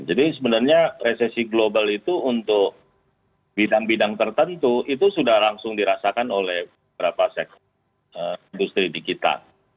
jadi sebenarnya resesi global itu untuk bidang bidang tertentu itu sudah langsung dirasakan oleh beberapa sektor industri di kita